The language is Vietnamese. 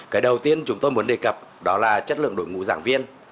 cái đầu tiên chúng tôi muốn đề cập đó là chất lượng đội ngũ giảng viên